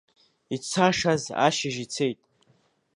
Ицашаз ашьыжь ицеит.